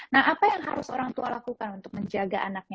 nah apa yang harus orang tua lakukan untuk menjaga anaknya